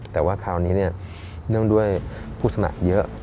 แต่ว่าคราวนี้เนื่องด้วยผู้สมัครเยอะ